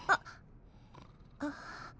あっ。